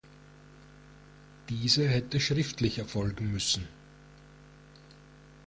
Diese hätte schriftlich erfolgen müssen.